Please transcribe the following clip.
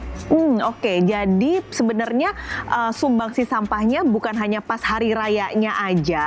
hmm oke jadi sebenarnya sumbangsi sampahnya bukan hanya pas hari rayanya aja